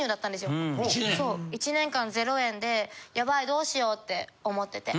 そう１年間０円でヤバいどうしようって思ってて。